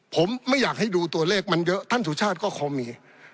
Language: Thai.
ผมไม่อยากให้ดูตัวเลขมันเยอะท่านสุชาติก็พอมี